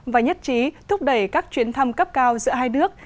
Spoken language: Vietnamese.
và nhất trí thúc đẩy các chuyến thăm cấp cao giữa hai nước